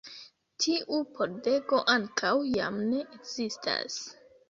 Tiu pordego ankaŭ jam ne ekzistas.